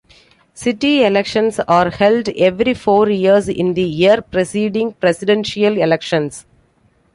City elections are held every four years in the year preceding presidential elections.